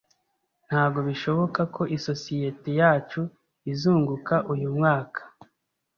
Ntabwo bishoboka ko isosiyete yacu izunguka uyu mwaka.